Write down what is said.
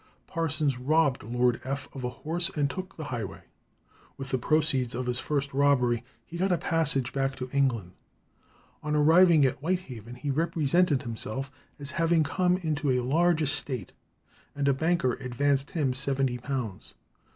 Parsons robbed Lord F. of a horse and took the highway. With the proceeds of his first robbery he got a passage back to England. On arriving at Whitehaven, he represented himself as having come into a large estate, and a banker advanced him seventy pounds.